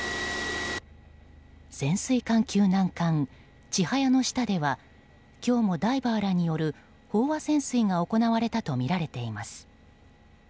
潜水艦救難艦「ちはや」の下では今日もダイバーらによる飽和潜水が行われたとみられています。